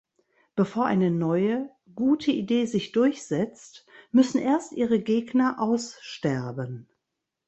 Bevor eine neue, gute Idee sich durchsetzt, müssen erst ihre Gegner aussterben.